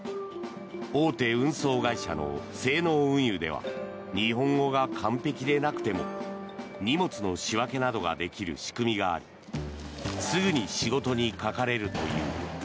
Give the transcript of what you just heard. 大手運送会社の西濃運輸では日本語が完璧でなくても荷物の仕分けなどができる仕組みがありすぐに仕事にかかれるという。